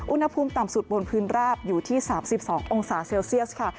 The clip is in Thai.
อุณหภูมิต่ำสุดบนพื้นราบอยู่ที่๓๒องศาเซลเซียสค่ะ